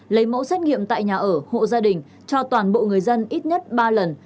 lấy mẫu xét nghiệm tại nhà ở hộ gia đình cho toàn bộ người dân ít nhất ba lần